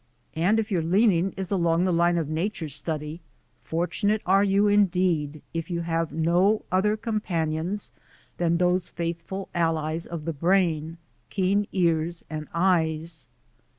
And, if your leaning is along the line of nature study, fortunate are you, indeed, if you have no other companions than those faithful allies of the brain — keen ears and eyes.